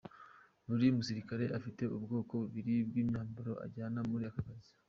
Buri musirikare afite ubwoko bubiri bw’imyambaro ajyana muri aka kazi.